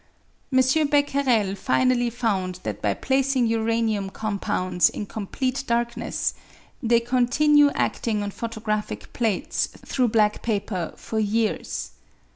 M. Becquerel finally found that by placing uranium compounds in complete darkness, they continue adting on photographic plates through black paper for years.